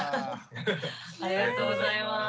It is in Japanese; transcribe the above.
ありがとうございます。